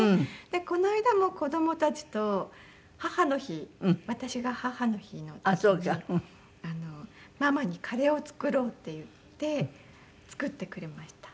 この間も子どもたちと母の日私が母の日の時にママにカレーを作ろうって言って作ってくれました。